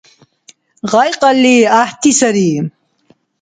Гъай кьалли гӏяхӏти сари…